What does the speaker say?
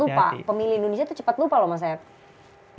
pemilih indonesia itu cepat lupa loh mas ed